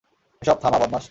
এসব থামা, বদমাশ।